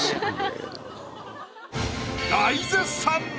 大絶賛！